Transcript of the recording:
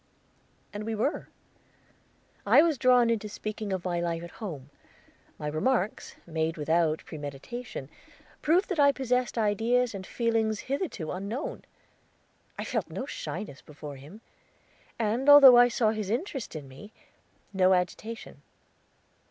And we were. I was drawn into speaking of my life at home; my remarks, made without premeditation, proved that I possessed ideas and feelings hitherto unknown. I felt no shyness before him, and, although I saw his interest in me, no agitation.